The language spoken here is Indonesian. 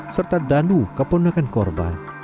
serta danu keponakan korban